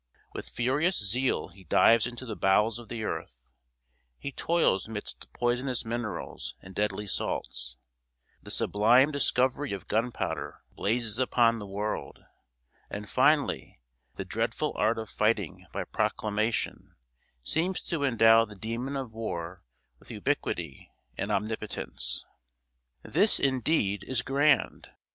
With furious zeal he dives into the bowels of the earth; he toils midst poisonous minerals, and deadly salts the sublime discovery of gunpowder blazes upon the world; and finally, the dreadful art of fighting by proclamation seems to endow the demon of war with ubiquity and omnipotence! This, indeed, is grand!